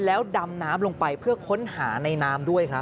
แล้วดำน้ำลงไปเพื่อค้นหาในน้ำด้วยครับ